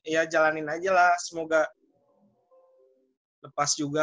ya jalanin aja lah semoga lepas juga